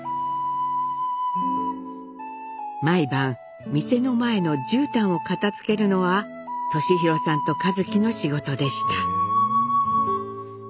毎晩店の前のじゅうたんを片づけるのは年浩さんと一輝の仕事でした。